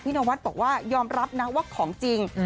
นวัดบอกว่ายอมรับนะว่าของจริง